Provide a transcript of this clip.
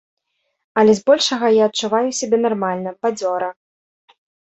Але збольшага я адчуваю сябе нармальна, бадзёра.